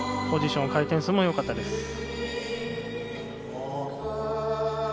ポジション、回転数もよかったです。